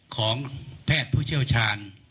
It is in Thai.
ของแพทย์ผู้เชี่ยวชาญ